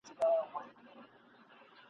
ګټه په تاوان کېږي ..